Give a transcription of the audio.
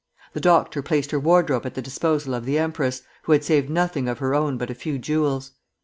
The doctor placed her wardrobe at the disposal of the empress, who had saved nothing of her own but a few jewels.